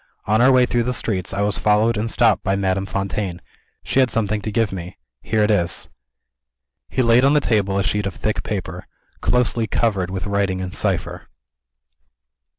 On our way through the streets, I was followed and stopped by Madame Fontaine. She had something to give me. Here it is." He laid on the table a sheet of thick paper, closely covered with writing in cipher.